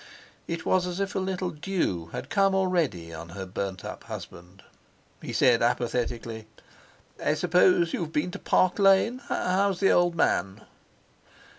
It was as if a little dew had come already on her burnt up husband. He said apathetically: "I suppose you've been to Park Lane. How's the old man?"